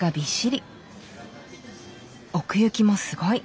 奥行きもすごい。